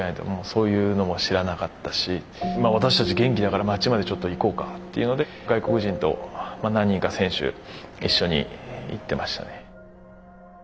そういうのも知らなかったし私たち元気だから町までちょっと行こうかっていうので外国人と何人か選手一緒に行ってましたね。